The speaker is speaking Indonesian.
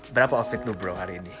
berapa outfit lu bro hari ini